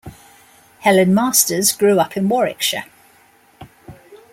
Helen Masters grew up in Warwickshire.